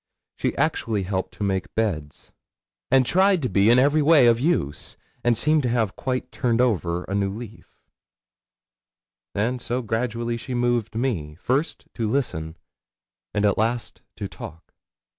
She actually helped to make beds, and tried to be in every way of use, and seemed to have quite turned over a new leaf; and so gradually she moved me, first to listen, and at last to talk.